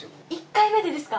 １回目でですか？